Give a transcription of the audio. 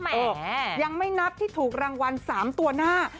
ยังไม่นับที่ถูกรางวัล๓ตัวหน้า